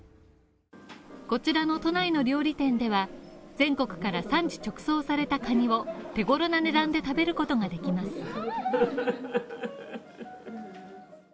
こちらの都内の料理店では、全国から産地直送されたカニを手頃な値段で食べることができます。